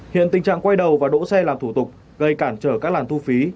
hiện tình trạng quay đầu và đỗ xe làm thủ tục gây cản trở các làn thu phí